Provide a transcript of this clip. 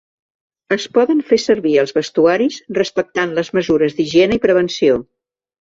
Es poden fer servir els vestuaris respectant les mesures d’higiene i prevenció.